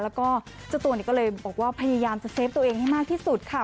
แล้วก็เจ้าตัวก็เลยบอกว่าพยายามจะเซฟตัวเองให้มากที่สุดค่ะ